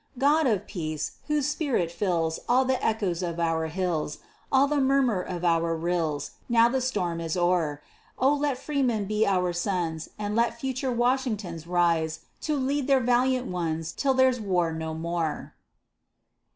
God of peace! whose spirit fills All the echoes of our hills, All the murmur of our rills, Now the storm is o'er, O let freemen be our sons, And let future Washingtons Rise, to lead their valiant ones Till there's war no more!